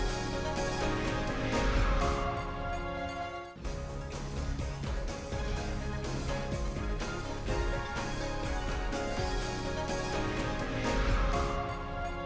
sna indonesia forward